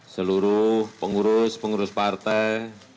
seluruh pengurus pengurus partai